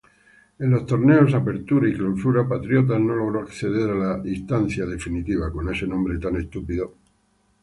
En los torneos Apertura y Clausura, Patriotas no logró acceder a la instancia definitiva.